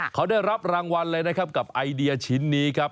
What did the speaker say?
เขาได้รับรางวัลเลยนะครับกับไอเดียชิ้นนี้ครับ